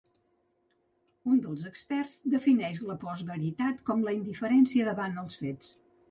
Un dels experts defineix la postveritat com la indiferència davant els fets.